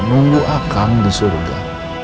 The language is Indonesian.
nunggu akang di surga